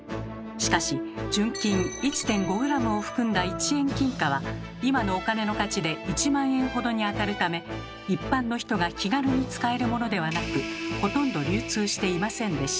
しかし純金１．５ｇを含んだ一円金貨は今のお金の価値で１万円ほどにあたるため一般の人が気軽に使えるものではなくほとんど流通していませんでした。